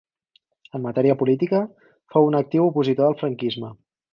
En matèria política, fou un actiu opositor al franquisme.